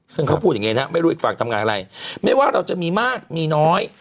ซึ่งเขาพูดอย่างนี้นะไม่รู้อีกฝั่งทำงานอะไรไม่ว่าเราจะมีมากมีน้อย